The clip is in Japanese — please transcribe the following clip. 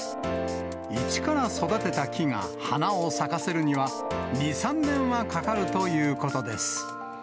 一から育てた木が花を咲かせるには、２、３年はかかるということです。